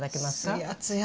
つやつや！